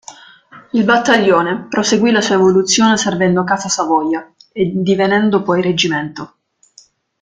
Il battaglione proseguì la sua evoluzione servendo casa Savoia e divenendo poi reggimento.